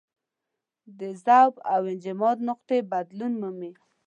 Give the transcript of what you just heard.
د ذوب او انجماد نقطې بدلون مومي.